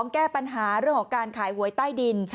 แก้ปัญหาเรื่องของการขายหวยใต้ดิน